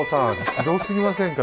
ひどすぎませんか？